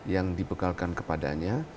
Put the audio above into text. yang dibekalkan kepadanya